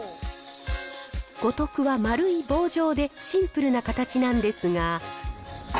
五徳は丸い棒状で、シンプルな形なんですが。